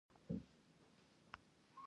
د الماس کانونه په شمال کې دي.